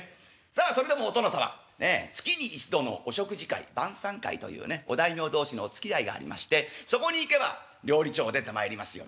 さあそれでもお殿様ねえ月に一度のお食事会晩餐会というねお大名同士のおつきあいがありましてそこに行けば料理長出てまいりますよ。